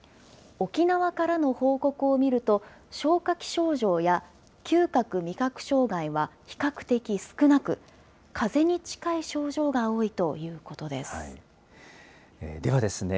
沖縄からの報告を見ると、消化器症状や嗅覚・味覚障害は比較的少なく、かぜに近い症状が多いということです。